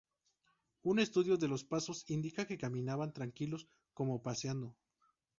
Un estudio de los pasos indica que caminaban tranquilos, como paseando.